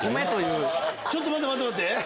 ⁉ちょっと待って待って！